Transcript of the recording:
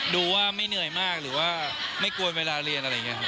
ดูว่าว่าไม่เหนื่อยมากหรือว่าไม่กวนเวลเรียน